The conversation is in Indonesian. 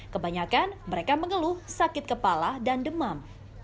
kebanyakan mereka mengeluh sakit kepala dan demam